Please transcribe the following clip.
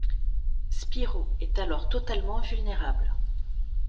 Spyro est alors totalement vulnérable.